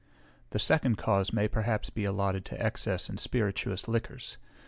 The second cause may perhaps be allotted to excess in spirituous liquors.